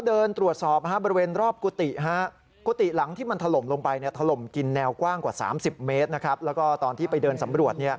๓๐เมตรนะครับแล้วก็ตอนที่ไปเดินสำรวจ